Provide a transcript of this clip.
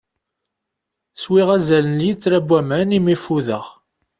Swiɣ azal n lyitra n waman imi fudeɣ.